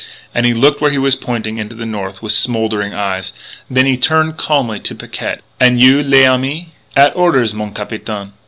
And he looked where he was pointing, into the north with smouldering eyes. Then he turned calmly to Picquet: "An' you, l'ami?" "At orders, mon capitaine."